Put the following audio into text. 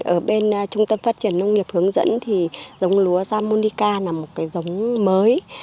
ở bên trung tâm phát triển nông nghiệp hướng dẫn thì giống lúa japonica là một cái giống mới